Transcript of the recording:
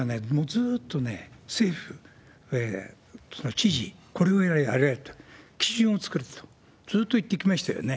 ずーっとね、政府、知事、これをあれ、あれをやれと基準を作れと、ずーっと言ってきましたよね。